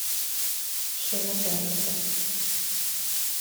Scena terza.